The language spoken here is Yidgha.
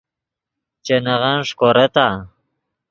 چے نغن ݰیکورتآ؟